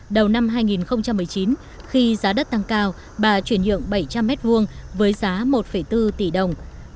đầu năm hai nghìn một mươi chín khi giá đất tăng cao bà chuyển nhượng bảy trăm linh m hai với giá một bốn tỷ đồng